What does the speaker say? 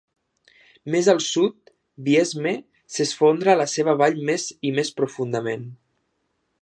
Més al sud, Biesme s'esfondra a la seva vall més i més profundament.